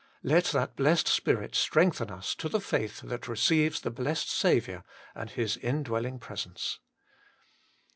Let that Blessed Spirit strengthen us to the faith that receives the Blessed Saviour and His indwelling Presence.